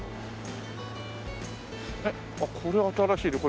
あっこれ新しいね。